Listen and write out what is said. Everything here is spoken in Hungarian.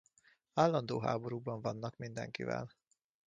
Állandó háborúban vannak mindenkivel.